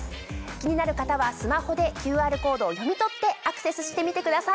気になる方はスマホでＱＲコードを読み取ってアクセスしてみてください。